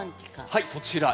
はいそちら。